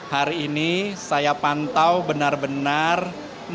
hari ini saya pantau benar benar menit per menit